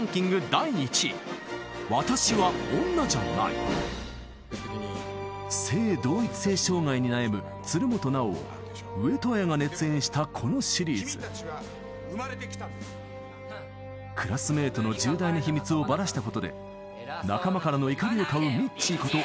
第１位性同一性障害に悩む鶴本直を上戸彩が熱演したこのシリーズクラスメイトの重大な秘密をバラしたことで仲間からの怒りを買うミッチーこと